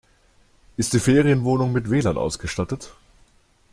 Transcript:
Ist die Ferienwohnung mit WLAN ausgestattet?